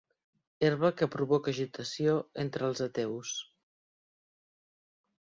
Herba que provoca agitació entre els ateus.